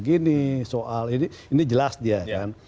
ini jelas dia kan